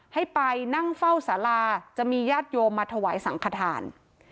ให้ไปนั่งเฝ้าสาราจะมีญาติโยมมาถวายสังขทาน